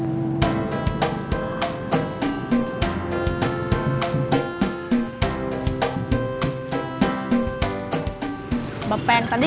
beberapa jam lagi